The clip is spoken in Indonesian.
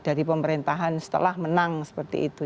dari pemerintahan setelah menang seperti itu